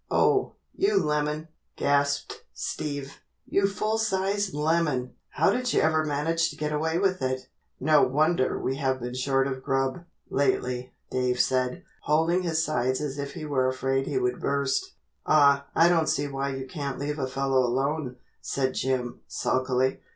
"Oh, you lemon," gasped Steve. "You full sized lemon! How did you ever manage to get away with it?" "No wonder we have been short of grub, lately," Dave said, holding his sides as if he were afraid he would burst. "Aw, I don't see why you can't leave a fellow alone," said Jim, sulkily.